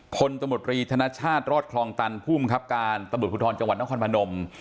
คนตำรวจรีธนชาติรอดคลองตันผู้มครับการตำรวจพุทธรจังหวัดนครพนม